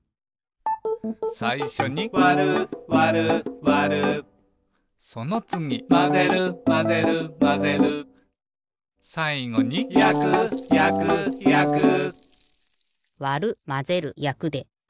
さいしょに「わるわるわる」そのつぎ「まぜるまぜるまぜる」さいごに「やくやくやく」わるまぜるやくで。